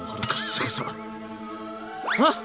あっ！